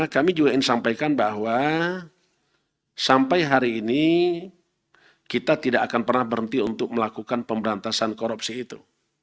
kami juga ingin sampaikan bahwa sampai hari ini kita tidak akan pernah berhenti untuk melakukan pemberantasan korupsi itu